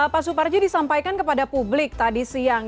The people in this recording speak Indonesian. pak suparji disampaikan kepada publik tadi siang